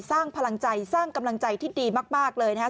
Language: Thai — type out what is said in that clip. สร้างพลังใจสร้างกำลังใจที่ดีมากเลยนะครับ